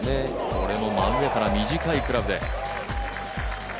これも真上から、短いクラブで。